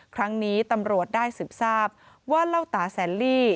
ครั้งนี้ตำรวจได้สืบทราบว่าเล่าตาแสนลี่